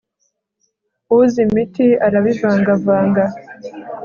uzi imiti arabivangavanga